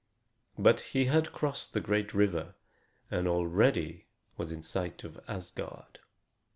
But he had crossed the great river, and already was in sight of Asgard.